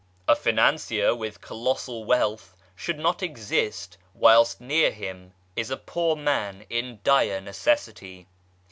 A Financier with colossal wealth should not exist whilst near him is a poor man in dire necessity.